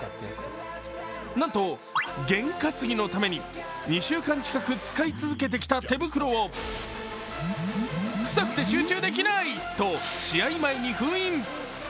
なんと、験担ぎのために２週間近く使い続けてきた手袋を臭くて集中できないと試合前に封印。